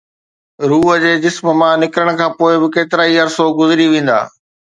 روح جي جسم مان نڪرڻ کان پوءِ به ڪيترائي عرصو گذري ويندا